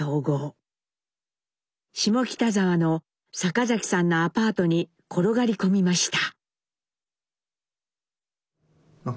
下北沢の坂崎さんのアパートに転がり込みました。